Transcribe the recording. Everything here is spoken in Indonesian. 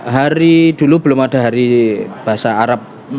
hari dulu belum ada hari bahasa arab